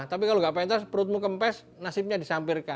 tapi kalau nggak pentas perutmu kempes nasibnya disampirkan